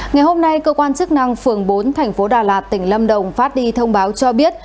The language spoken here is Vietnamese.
ngày hôm nay cơ quan chức năng phường bốn thành phố đà lạt tỉnh lâm đồng phát đi thông báo cho biết